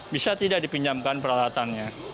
bisa tidak dipinjamkan peralatannya